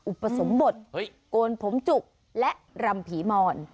อุปสรมบทกงโผล่งผมจุกและหลำผิมร